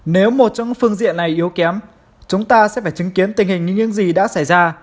nếu một trong những phương diện này yếu kém chúng ta sẽ phải chứng kiến tình hình như những gì đã xảy ra